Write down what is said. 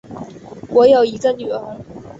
我有一个女儿